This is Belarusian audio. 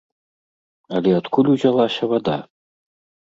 Але адкуль узялася вада?